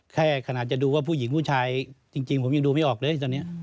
ขนาดจะดูว่าผู้หญิงผู้ชายจริงผมยังดูไม่ออกเลยตอนนี้